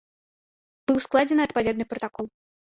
Быў складзены адпаведны пратакол.